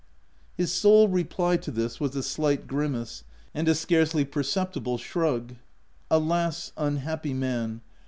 His sole reply to this was a slight grimace, and a scarcely perceptible shrug. Alas unhappy man